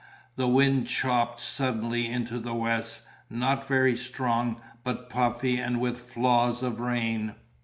the wind chopped suddenly into the west, not very strong, but puffy and with flaws of rain.